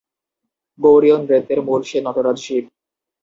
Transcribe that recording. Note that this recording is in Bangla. গৌড়ীয় নৃত্যের মূল নটরাজ শিব।